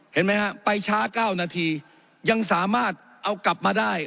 เห็นไหมฮะไปช้า๙นาทียังสามารถเอากลับมาได้